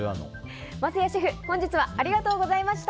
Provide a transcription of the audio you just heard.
桝谷シェフ本日はありがとうございました。